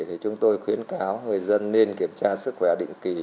thì chúng tôi khuyến cáo người dân nên kiểm tra sức khỏe định kỳ